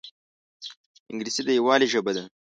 انګلیسي د یووالي ژبه ده